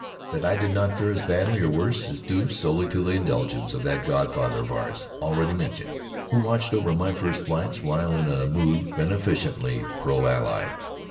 That I did not fare as badly or worse is due solely to the indulgence of that godfather of ours, already mentioned, who watched over my first flights while in a mood beneficently pro Ally.